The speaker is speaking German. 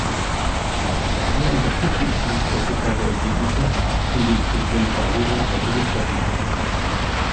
Daher unterstütze ich dieses Europa der Ergebnisse, von dem Präsident Barroso heute gesprochen hat.